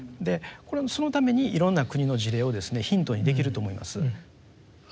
そのためにいろんな国の事例をですねヒントにできると思います。